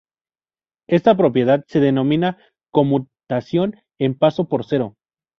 Esta propiedad se denomina conmutación en "paso por cero".